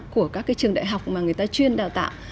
của các cái trường đại học mà người ta chuyên đào tạo